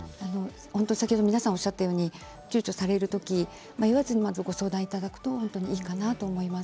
皆さんおっしゃったようにちゅうちょされる時迷わずに、まずご相談いただくといいと思います。